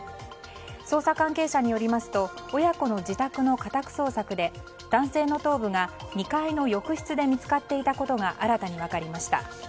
捜査関係者によりますと親子の自宅の家宅捜索で男性の頭部が２階の浴室で見つかっていたことが新たに分かりました。